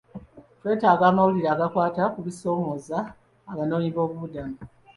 Twetaaga amawulire agakwata ku bisoomooza abanoonyiboobubudamu.